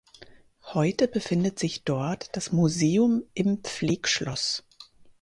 Heute befindet sich dort das "Museum im Pflegschloss".